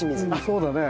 そうだね。